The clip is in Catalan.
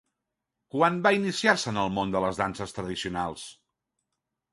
Quan va iniciar-se en el món de les danses tradicionals?